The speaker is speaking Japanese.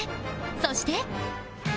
そして